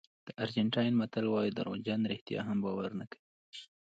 د ارجنټاین متل وایي دروغجن رښتیا هم باور نه کوي.